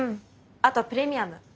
あとプレミアム。